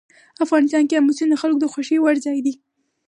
افغانستان کې آمو سیند د خلکو د خوښې وړ ځای دی.